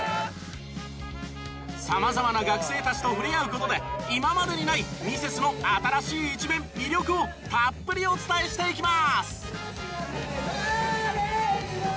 様々な学生たちと触れ合う事で今までにないミセスの新しい一面魅力をたっぷりお伝えしていきます。